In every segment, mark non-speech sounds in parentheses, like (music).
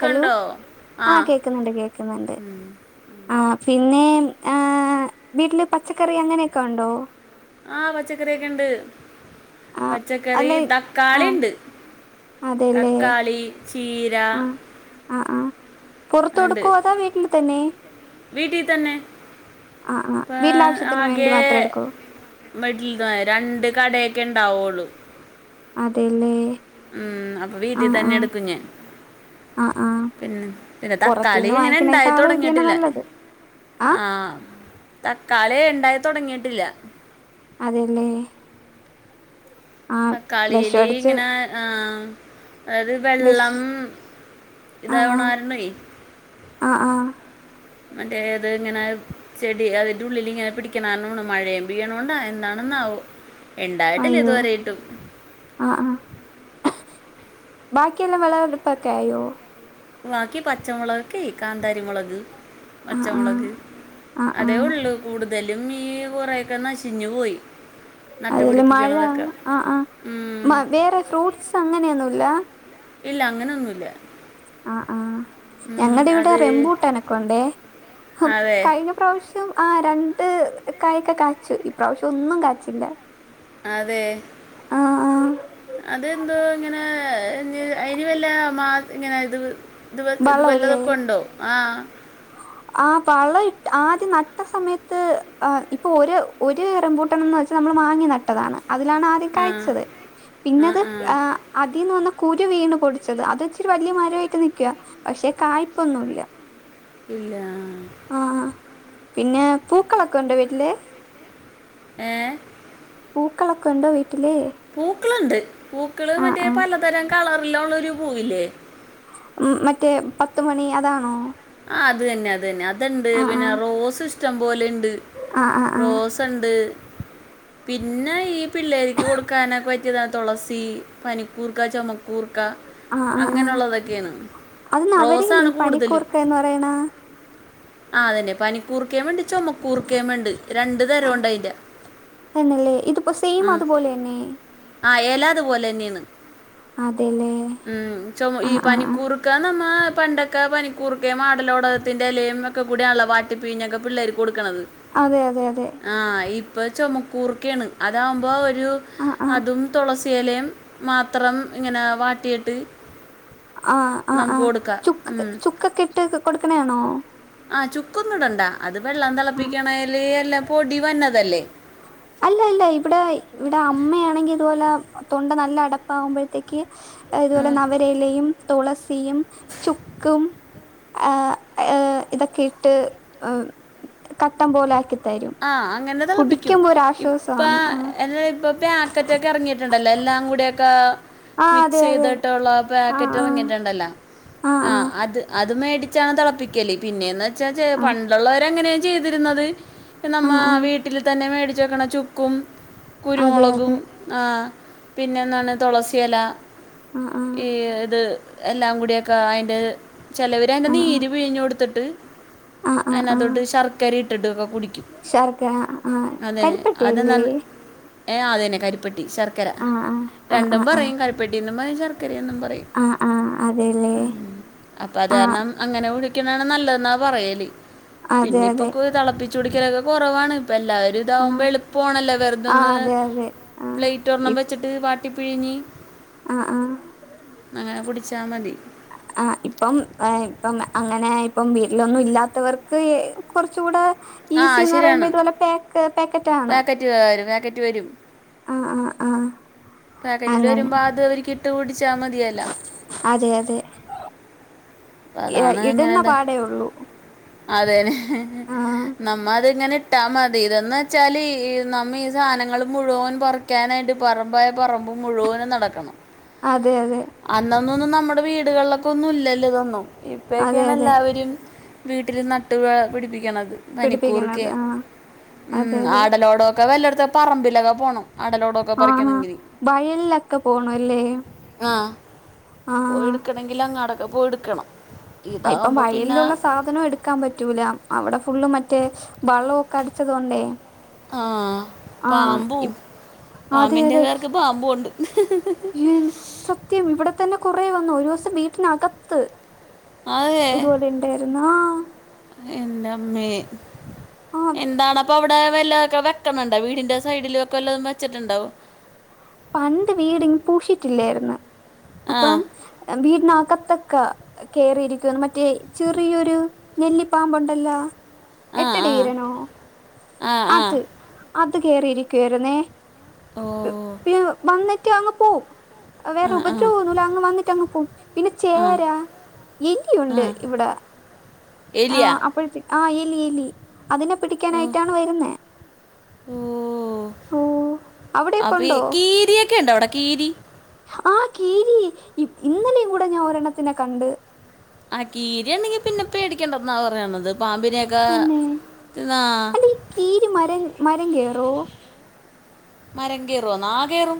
Hello ആ ആഹ് കേക്കുന്നുണ്ട് കേക്കുന്നുണ്ട് ആഹ് പിന്നെ ഏ വീട്ടില് പച്ചക്കറി അങ്ങനെയൊക്കെ ഉണ്ടോ ആഹ്പച്ചക്കറിക്കെണ്ട് ആ പച്ചക്കറി അല്ലെ ആ തക്കാളി ണ്ട് അതെല്ലേ തക്കാളി ചീ ര ആഹ് ആഹ് പുറത്ത് കൊടുക്കുവോ അതോവീട്ടിൽ തന്നെ വീട്ടി തന്നെ ആ ആ പ്പൊ വീട്ടിലെ ആവശ്യത്തിന് വേണ്ടി ആകെ മാത്രം എടുക്കോ മെഡില്ന്ന രണ്ട് കടയൊക്കെ ഉണ്ടാവുള്ളു അതെ ല്ലേ ഉം അപ്പ വീട്ടി തന്നെ എടുക്കും ഞാൻ ആ ആ പിന്നെ പിന്നെ തക്കാളി പുറത്തീന്ന് ഇങ്ങനെ വാങ്ങിക്കണേക്കാളും ഇത് തന്നെ ഇണ്ടായിത്തൊടങ്ങിട്ടില്ല നല്ലത് ആ ആഹ് തക്കാളി ഇണ്ടായി തൊടങ്ങിയിട്ടില്ല അതെല്ലേ ആഹ് വെഷ അടിച്ച് ആഹ് അതായത് വെള്ളം വിഷ് ഇതാവണ കാരണേ ആഹ് ആഹ് മറ്റേ ഇത് ഇങ്ങനെ ചെടി അതിന്റെ ഉള്ളിൽ ഇങ്ങനെ പിടിക്ക്ണാണോ ണം മഴേയും പെയ്യണോണ്ടാ എന്താണെന്നാവോ ഇണ്ടായിട്ടില്ലഇത് വരെ ട്ടും ആഹ് ആ ബാക്കിയെല്ലാം വിള എളുപ്പൊക്കെ ആയോ ബാക്കി പച്ചമുളക്ക് കാന്താരി മുളക് ആ ആ പച്ചമുളക് ആ അതേ ആ ഒള്ളു കൂടുതലും ഈ കുറയൊക്കെ നശിഞ്ഞു പോയി അതല്ലെ മഴ നട്ടുപിടിപ്പിക്കണതൊക്കെ ആ ആ ഉം. വേറെ ഫ്രൂട്ട്സ് അങ്ങനെയൊന്നുല്ല ഇല്ല അങ്ങനെയൊന്നുല്ല ആഹ് ആഹ് ഞങ്ങടെ ഇവിടെ റംമ്പൂട്ടനൊക്കെണ്ടേ അതെ കഴിഞ്ഞ പ്രാവിശ്യം ആ രണ്ട് കായൊക്കെ കാച്ചു ഇപ്രാവിശ്യം ഒന്നും കാച്ചില്ല അതെ ആഹ് ആഹ് അതെന്തോ ഇങ്ങനെ അയ്ന് വല്ല മാ ഇങ്ങനെ ഇത് ഇത് ഇത് വല്ലതൊക്കെ ഉണ്ടോ ആഹ് ആ വളം ഇട്ട് ആദ്യം നട്ട സമയത്ത് ആ ഇപ്പൊ ഒരു ഒരു റംമ്പൂട്ടനന്ന് വ നമ്മൾ വാങ്ങി നട്ടതാണ് അതിലാണ് ആദ്യം ആ കഴിച്ചത് പിന്നെത് ആ അതി ന്ന് ഒന്ന് കുരു വീണ് പൊടിച്ചത് അത്ഇച്ചിരി വല്യയ മരായിട്ട് നിക്കാ പക്ഷെ കായ്പൊന്നുല്ല ഇല്ല ആഹ് പിന്നെ പൂക്കളൊക്കെ ണ്ടോ വീട്ടില് ഏ പൂക്കളൊക്കെ ണ്ടോ വീട്ടിലേ പൂക്കള് ണ്ട് പൂക്കള് മറ്റേ പലതരം കളറില് ള്ളൊരു പൂവില്ലേ ഉം മറ്റേ പത്തുമണി അതാണോ ആഹ് അത് തന്നെ അത് തന്നെ അത്ണ്ട് ആഹ് പിന്നെ ആഹ് റോസ് ഇഷ്ടം പോലെണ്ട് ആഹ് ആഹ് റോസ് ത്തണ്ട് പിന്നെ ഈ പിള്ളേരിക്ക് കൊടുക്കാനൊക്കെ പറ്റിയതാ തുളസി പനിക്കൂർക്ക ചുമക്കൂർ ക്ക ആഹ് ആഹ് ആഹ് ആഹ് അങ്ങനെയുള്ളതൊക്കെയാണ് റോസാണ് കൂടുതലും ക്ക എന്ന് പറയണ ആഹ് അതന്നെ പനികൂർക്കേണ്ട്‌ ചൊമക്കൂർക്കേണ്ട് രണ്ടു തരംണ്ട് അയിന്റെ ലേ ഇതിപ്പോ സെയിം അതുപോലെ തന്നെ ആഹ് അത് പോലെ തന്നെയാണ് അതെല്ലേ ഉംഈ ആഹ് ആഹ് ആഹ് പനിക്കൂറ് ഒക്കെ നമ്മ പണ്ടൊക്കെ പനിക്കൂർക്കയും ആടലോടകത്തിന്റെ ഇലയും ഒക്കെ കൂടായാണെല്ലോ വാട്ടിപ്പിഴിഞ്ഞൊക്കെ പിള്ളേര്ക്ക് കൊടുക്കുന്നത് അതെ അതെ അതെ ആഹ് ഇപ്പൊ ചുമക്കൂർക്കെയാണ് അതാവുമ്പോ ഒരു ആഹ് ആഹ് അതും തുളസിയിലയും മാത്രം ഇങ്ങനെ വാട്ടിയിട്ട് ആഹ് ആഹ് നമുക്ക് ആഹ് കൊടുക്കാം ചുക്ക് ഉം. ചുക്കൊക്കെ ഇട്ട് കൊടുക്കണെയാണോ ആഹ് ചുക്കൊന്നും ഇടണ്ടാ അത് വെള്ളം ആഹ് തിളപ്പിക്കണേല് എല്ലാം പൊടി വന്നതല്ലേ. അല്ല അല്ല ഇവിടെ ഇവിടെ അമ്മയാണെങ്കി ഇതുപോലെ. തൊണ്ട നല്ല അടപ്പാവുമ്പോഴത്തേക്ക് ആ ഇതുപോലെ നവരെ യും തുളസിയും ചുക്കും. ആഹ് ഏഹ് ഇതൊക്കെ ഇട്ട് കട്ടം പോലെ ആക്കിത്തരും. ആഹ് അങ്ങനെ തിളപ്പിക്കും ഇപ്പൊ ആഹ് അല്ലടാ ഇപ്പൊ പാക്കറ്റൊക്കെ ഇറങ്ങി ട്ടുണ്ടല്ലോ എല്ലാം കൂടിയൊക്കെ ആഹ് അതെ മിക്സ് അതെ ചെയ്തിട്ടുള്ള ആഹ് പാക്കറ്റ് ആഹ് ഇറങ്ങിട്ടുണ്ടല്ലോ ആഹ് അത്. അത് മേടിച്ചാണ് തിളപ്പിക്കല് പിന്നെയന്ന് വെച്ചാൽ ആഹ് ആഹ് പണ്ടുള്ളവര് അങ്ങനെയാണ് ചെയ്തിരുന്നത്. ഇപ്പം നമ്മ ആഹ് ആഹ് വീട്ടില് തന്നെ മേടിച്ചു വെക്കണ ചുക്കും അതെ കുരുമുളകും. അതെ ആഹ് പിന്നെ എന്നാണ് തുളസി ഇല ആഹ് ആഹ് ഈ ഇത്. എല്ലാം കൂടിയൊക്കെ അയിന്റെ ചിലവര് അതിന്റെ ആഹ് ആഹ് നീര് പിഴിഞ്ഞു കൊടുത്തിട്ട്. ആഹ് ആഹ് അതിനകത്തോട്ട് ശർക്കര ഇട്ടിട്ടൊക്കെ കുടിക്കും. ശർക്ക ആഹ് കരിപ്പെട്ടിയല്ലേ ഏഹ് അത് തന്നെ കരിപ്പട്ടി ശർക്കര ആഹ് ആഹ് രണ്ടും ആഹ് ആഹ് പറയും കരിപ്പട്ടിയെന്നും പറയും ശർക്കരയെന്നും പറയും. ആഹ് ആഹ് ആഹ് അതെല്ലേ ഉം അപ്പൊ അത് ആഹ് കാരണം അങ്ങനെ കുടിക്കുന്നാണ് നല്ലതെന്നാ പറയല് അതെ പിന്നെ ഇപ്പൊ അതെ തിളപ്പിച്ച് കുടിക്കലൊക്കെ കുറവാണ് ഇപ്പൊ എല്ലാവരും. ആഹ് ഇതാകുമ്പോൾ എളുപ്പം ആണല്ലോ ആ വെറുതൊന്ന് അതെ അതെ ആ പ്ലേറ്റ് ഒരെണ്ണം ഇപ് വെച്ചിട്ട് വാ ട്ടിപ്പിഴിഞ്ഞ് ആ ആ അങ്ങനെ കുടിച്ചാൽ മതി. ആഹ് ഇപ്പം ഇപ്പം അങ്ങനെ ഇപ്പം വീട്ടിലൊന്നും ഇല്ലാത്തവർക്ക് കുറച്ച് കൂടെ. ആ ഈസി എന്ന് പറയുമ്പോ ഇതുപോലെ പാക്ക് പാക്കറ്റാണ്. ഒരു പാക്കറ്റ് വരും. ആഹ് ആഹ് ആഹ് പാക്കറ്റിൽ വരുമ്പോൾ അത് അവരക്ക് ഇട്ട് കുടിച്ചാൽ മതിയല്ലോ. അതെ അതെ ഇടുന്ന പാടേ ഉള്ളൂ. അതേലെ ആ നമ്മൾ അത്ങ്ങനെ. ഇട്ടാൽ മതി ഇതന്ന് വെച്ചാൽ നമ്മ ഈ സാധനങ്ങൾ മുഴുവൻ പറിക്കാനായിട്ട്. പറമ്പായ പറമ്പ് മുഴുവനും നടക്കണം. അതെ അതെ അന്നൊന്നൊന്നും നമ്മുടെ വീടുകളിലൊക്കെ ഒന്നും ഇല്ലല്ലോ ഇതൊന്നും അതെ ഇപ്പൊക്കെയാണ് അതെ എല്ലാവരും വീട്ടില് നട്ടുക പിടിപ്പിക്കണത് പിടിപ്പിക്കുന്നത് പനിക്കൂർക്കേം ആ ഉം അതെ അതെ ആടലോട ക്കെ വല്ലോടത്ത് പറമ്പിലൊക്കെ പോണം ആടലോടൊക്കെ ആ ആ പറിക്കണേങ്കില്. വയലിലൊക്കെ പോണം അല്ലേ. ആഹ് പോയി എടുക്കണമെങ്കിൽ അങ്ങോടൊക്കെ പോയടുക്കണം. ഇപ്പം വയലിലുള്ള സാ ധനവും എടുക്കാൻ പറ്റൂല അവിടെ ഫുള്ള് മറ്റേ വളമൊക്കെ അടിച്ചത് കൊണ്ടേ. ആഹ് ആ പാമ്പും അതെ പാമ്പിന്റെ അതെ പേർക്ക് പാമ്പും ഒണ്ട്. സത്യം ഇവിടെ തന്നെ കൊറേ വന്നു ഒരു ദിവസം വീട്ടിനകത്ത്. ഇതുപോല ഉണ്ടായിരുന്നു ആഹ് എന്റെ അമ്മേ ആ എന്താണ് അപ്പൊ അവിടെ വല്ലതൊക്കെ വെക്കണുണ്ടോ വീടിന്റെ സൈഡിലും ഒക്കെവല്ലതും വെച്ചിട്ടുണ്ടോ. പണ്ട് വീട് പൂഷിട്ടില്ലായിരുന്നു ആ അപ്പം വീടിനകത്തൊക്കെ കേയറിയിരിക്കുന്നു മറ്റേ ചെറിയൊരു നെല്ലിപ്പാമ്പുണ്ടല്ലോ. ആ എട്ടടി വീരനോ ആ ആ ആ അത്. അത് കേറിയിരിക്കുവായിരുന്നേ ഓ പിന്നെ വന്നിട്ട് അങ്ങ് പോവും. വേറെ ആ ആ ഉപദ്രവം ഒന്നുവില്ല അങ്ങ് വന്നിട്ട് അങ്ങ് പോകും പിന്നെ ആ ചേര ആ എലിയുണ്ട് ഇവിടെ. എലിയ ആഹ് അപ്പോഴത്തെ ആഹ് എലി എലി അതിനെ ഓ പിടിക്കാനായിട്ടാണ് വരുന്നെ ഓഹ് അവിടെയൊക്കെ അപ്പൊ ഈ ഉണ്ടോ കീരി ഒക്കെ ഉണ്ടോ അവിടെ കീരി ആഹ് കീരി ഇന്നലെയും കൂടെ ഞാൻ ഒരെണ്ണത്തിനെ കണ്ട്. ആഹ് കീരിയൊണ്ടെങ്കിൽ പിന്നെപ്പേടിക്കണ്ടന്നാ പറയണത് പാമ്പിനെയൊക്കെ തന്നെ ഇതാ അല്ല ഈ കീരി മരം മരം കേറുവോ മരം കെറുവോന്നോ ആഹ് കേറും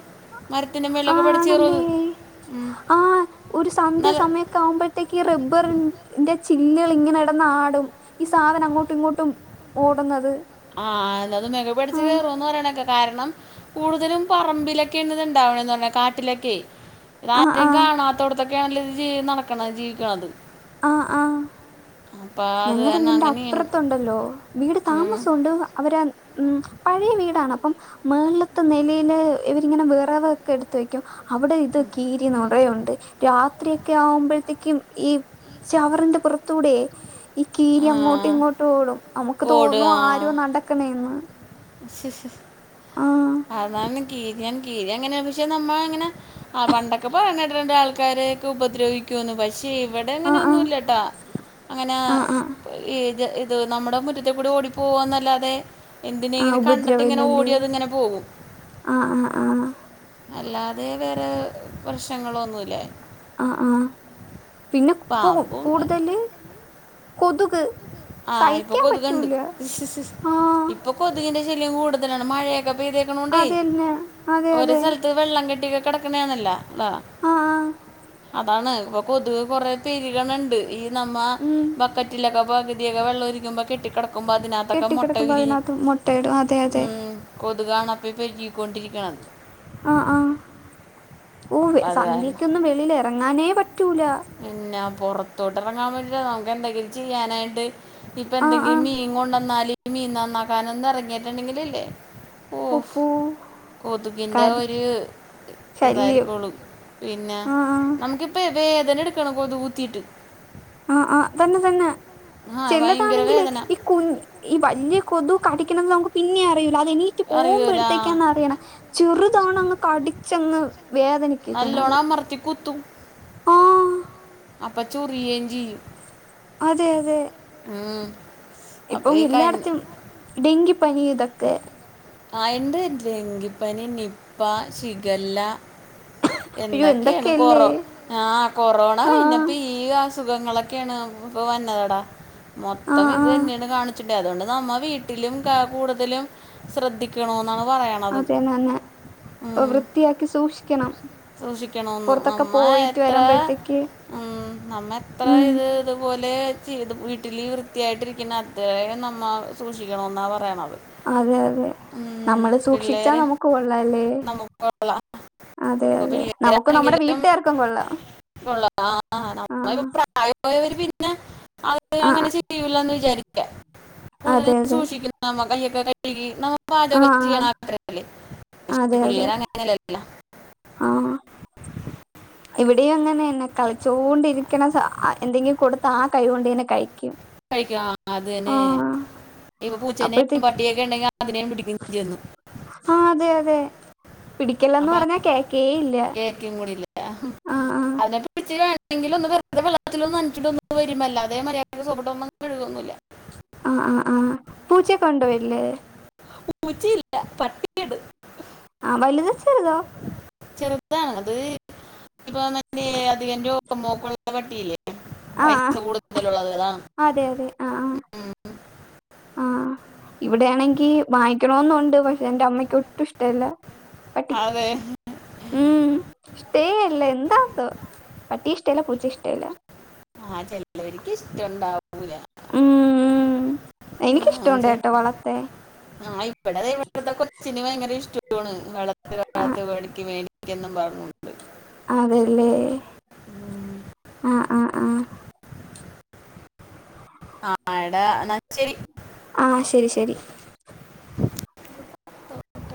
ആഹ് ആണല്ലേ ഉം. ആഹ് ഒരു സന്ധ്യ നല്ല സമയ ക്കെ ആവുമ്പോഴത്തേക്ക് ഈ റബ്ബറ് ന്റെ ചില്ലകൾ ഇങ്ങനെകിടന്ന് ആടും ഈ സാധനം അങ്ങോട്ടും ഇങ്ങോട്ടും ഓടുന്നത് (unintelligible) ആ കയറൂന്ന് പറയ്ണേക്കെ കാരണം കൂടുതലും പറമ്പിലൊക്കെയാണ് ഇത്ണ്ടാവണേന്ന് പറയുന്നെ കാട്ടിലൊക്കെയേ ആ (unintelligible) ആ കാണാത്തോടത്തൊക്കെയാണല്ലോ ഇ നടക്കണ ജീവിക്കണത് ആഹ് ആഹ് അപ്പം അത് ഞങ്ങടെ തന്നെ വീടിന്റെ അങ്ങനെയാണ് അപ്പുറത്തൊണ്ടല്ലോ വീട് ഉം. താമസൊണ്ട് അവര് ഉം പഴയ വീടാണ് അപ്പം മേളിലത്തെ നിലയില് ഇവരിങ്ങനെ വിറവൊക്കെ എടുത്തുവെക്കും അവിടെ ഇത് കീരിനെറെയുണ്ട്. രാത്രിയൊക്കെ ആവുമ്പോഴത്തേക്കും ഈ ചവറിന്റെ പുറത്തൂടെയേ ഈ കീരി അങ്ങോട്ടും ആ ഇങ്ങോട്ടും ഓടും നമുക്ക് തോന്നും ആരോ നടക്കണേയാന്ന് സ് സ് ആഹ് അതാണ് കീരിയ കീരിയാങ്ങനെയാണ് പക്ഷെ നമ്മള് അങ്ങനെ ആഹ് പണ്ടൊക്കെ പറയണ് കേട്ടിട്ടുണ്ട് ആൾക്കാരെയൊക്കെ ഉപദ്രവിക്കൂന്ന് പക്ഷേ ഇവിടെ അങ്ങനെ ആഹ് ആഹ് ഒന്നുംല്ലാട്ടോ അങ്ങനെ ആഹ് ആഹ് (unintelligible) ഇത് നമ്മുടെ മുറ്റത്കൂടി ഓടിപ്പോവന്നല്ലാതെ ആഹ് എന്തിനേയെങ്കിലും കണ്ടിട്ട് ഇങ്ങനെ ഉപദ്രവല്ലല്ലേ ഓടിയത്ങ്ങനെ പോകും ആഹ് ആഹ് ആഹ് അല്ലാതെ വേറെ പ്രശ്നങ്ങളൊന്നുംല്ല ആഹ് ആഹ് പിന്നെപ്പൊ പാമ്പും കൂടുതല് കൊതുക് ആഹ് ഇപ്പൊ സഹിക്കാൻ കൊതുകുണ്ട് പറ്റൂല ആഹ് ഇപ്പൊ കൊതുകിന്റെ ശല്യം കൂടുതലാണ് മഴയൊക്കെ പെയ്ത ക്കണോണ്ടേ അതന്നെ അതെ ഓരോ അതെ സ്ഥലത്ത് വെള്ളം കെട്ടി ഒക്കെ കെടക്ണേയാണല്ലോ ആ ആ (unintelligible) അതാണ് ഇപ്പൊ കൊതുവ് കൊറെ പെരുകണുണ്ട് ഈ നമ്മ ഉം ബക്കറ്റിലൊക്കൊ പകു തിയൊക്കെ വെള്ളം ഇരിക്കുമ്പോ കെട്ടികെടക്കുമ്പോ അതിനകത്തൊക്കെ മൊട്ട കെട്ടിക്കിടക്കുമ്പോ വിരിഞ് അതിനകത്ത് മുട്ടയിടും അതെ അതെ ഉം കൊതുകാണപ്പൊ ഈ പെരികിക്കൊണ്ടിരിക്കണത് ആഹ് ആഹ് ഓഹ് അപ്പം അത് കാരണം സന്ധ്യക്കൊന്നും വെളിയിൽ ഇറങ്ങാനേ പറ്റൂല പിന്നെ പുറത്തോട്ട് ഇറങ്ങാൻ പറ്റില നമുക്ക് എന്തെങ്കിലും ചെയ്യാനായിട്ട് ഇപ്പൊ ആ ആ എന്തെങ്കിലും മീൻ കൊണ്ടന്നാല് മീൻ നന്നാക്കാനൊന്ന് ഇറങ്ങിട്ടുണ്ടെങ്കിലില്ലേ ഓഹ് ഉപ്പൂ കൊതുകിന്റെ കടി ഒര് ശല്യം ഇതായിരിക്കുള്ളൂ പിന്നെ ആ ആ നമുക്കിപ്പൊ വേദന എടുക്കണ് കൊതു കുത്തീട്ട് ആഹ് ആഹ് തന്നെ തന്നെ ആ ഭയങ്കര ചിലതാണെങ്കില് വേദന ഈ കുഞ് ഈ വല്യ കൊതു കടിക്കണെത് നമുക്ക് പിന്നെ അറിയൂല്ല അതെനി റ്റ് അറിയൂല പോകുമ്പോഴത്തേക്കാണ് അറിയണത് ചെറുതാണങ്ങ് കടിച്ചങ്ങ് വേദനിപ്പിക്കണത് മൊറത്തികുത്തും ആ അപ്പം ചൊറിയേയും ചെയ്യും അതെ അതെ ഉം ഇപ്പൊ അപ്പം ഈ കന് എല്ലാടത്തും ഡെങ്കി പനി ഇതൊക്കെ അയെന്ത് ഡെങ്കിപ്പനി നിപ്പ ഷിഗല്ല അയ്യോ എന്തൊക്കെയാണ് എന്തൊക്കെയല്ലേ കൊറോ ആഹ് കൊറോണ ആഹ് കഴിഞ്ഞപ്പീ ഈ അസുഖങ്ങളൊക്കെയാണ് ഇപ്പൊ വന്നതാടാ മൊത്തം ആഹ് ഇത് ആഹ് തന്നെയാണ് കാണി (unintelligible) അതോണ്ട് നമ്മ വീട്ടിലും കൂടുതലും ശ്രദ്ധിക്കണോന്നാണ് പറയ അതന്നെ വൃത്തിയാക്കി സൂക്ഷിക്കണം സൂക്ഷിക്കണോന്ന് പുറത്തൊക്കെ നമ്മ പോയിട്ട് എത്ര വരുമ്പോഴത്തേക്ക് ഉം നമ്മെത്ര ഉം ഇത് അതുപോലെ ചെയ്ത് വീട്ടിൽ വൃത്തിയായിട്ടിരിക്കണെ അത്രയും നമ്മൾ സൂക്ഷിക്കണോന്നാ പറയണത് അതെ അതെ മ് നമ്മള് സൂക്ഷിച്ചാ പിള്ളേര് നമുക്ക് കൊള്ളാല്ലേ നമുക്ക് അതെ ഇപ്പൊ അതെ നമുക്ക് നമ്മുടെ പിള്ളേരാണെങ്കിലും വീട്ടുകാർക്കും കൊള്ളാം ഉ (unintelligible) ള്ള ആഹ് നമ്മ പ്രായവായവര് പിന്നെ അത് അങ്ങനെ ആഹ് ചെയ്യൂലാന്ന് വിചാരി ക്കാം കൂടുതല് അതെ അതെ സൂക്ഷിക്കുന്ന കയ്യൊക്കെ ക നമ്മള് ആഹ് പാചകവൊക്കെ ആഹ് ചെയ്യണ ആൾക്കാരല്ലേ പക്ഷേ അതെ അതെ പിള്ളേര് അങ്ങനെയല്ലല്ലോ ആഹ് ഇവിടെയും അങ്ങനെന്നെ കളിച്ചോണ്ടിരിക്കണ എന്തെങ്കിലും കൊടുത്ത ആഹ് കൈ കൊണ്ടന്നെ കഴിക്കും കഴിക്കു അതന്നെ ആഹ് ഇപ്പൊ പൂച്ചേനെ അപ്പോഴത്തേക്ക് പട്ടിയൊക്കെ ഉണ്ടെങ്കി അതിനേ പിടിക്കുകയും ചെന്ന് ആഹ് അതെ അതെ പിടിക്കല്ലന്ന് പറഞ്ഞാ കേക്കേ ഇല്ല ക്കും കൂടിയില്ല ആഹ് ആഹ് എന്നിട്ട് പിടിച്ച് വണെങ്കിൽ ഒന്ന് വെറുതെ വെള്ളത്തിലൊന്ന് നനച്ചിട്ട് വരും അല്ലാതെ മര്യാദക്ക് സോപ്പിട്ടൊന്നും കഴുകുവൊന്നുമില്ല ആഹ് ആഹ് ആഹ് പൂച്ചയൊക്കെയുണ്ടോ വീട്ടില് പൂച്ചിയില്ല പട്ടിയൊണ്ട് ആഹ് വലുതോ ചെറുതോ ചെറുതാണ് അത് ഇപ്പൊ മറ്റേ അധികം രോമോക്കൊള്ള പട്ടിയില്ലേ ആഹ് പൈസ കൂടുതലുള്ളത് അതാണ് അതെ അതെ ആഹ് ഉം. ആഹ് ഇവിടെയാണെങ്കി വാങ്ങിക്കണോന്നുണ്ട് പക്ഷെ എന്റെ അമ്മക്ക് ഒട്ടും ഇഷ്ടല്ല പട്ട് അതെ മ് ഇഷ്ടേവല്ല എന്താന്തോ പട്ടിയെ ഇഷ്ടല്ല പൂച്ചയെ ഇഷ്ടല്ല ആഹ് ചെലോരിക്ക് ഇഷ്ടണ്ടാവു മ് ആ, എനിക്കിഷ്ടോണ്ട് ചെ- ട്ടോ വളർത്താൻ എനിച്ച് ഭയങ്കരിഷ്ടവാണ് വളത്ത് ആഹ് വളത്ത് വേടിക്ക് മേടിക്കന്നും പറഞ്ഞോണ്ട് അതെല്ലേ ഉം. ആഹ് ആഹ് ആഹ് ആഹ് എടാ എന്നാ ശെരി ആഹ് ശെരി ശെരി